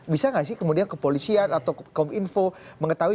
bisa gak sih kemudian ke polisian atau ke kominfo mengetahui